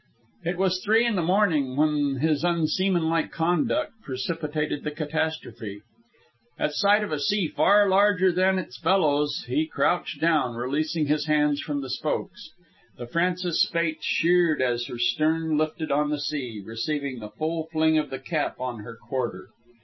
It was three in the morning when his unseamanlike conduct precipitated the catastrophe. At sight of a sea far larger than its fellows, he crouched down, releasing his hands from the spokes. The Francis Spaight sheered as her stern lifted on the sea, receiving the full fling of the cap on her quarter.